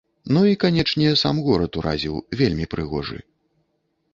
Ну і канечне, сам горад уразіў, вельмі прыгожы.